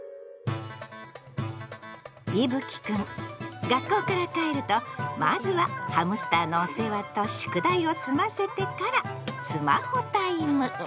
いぶきくん学校から帰るとまずはハムスターのお世話と宿題を済ませてからスマホタイム！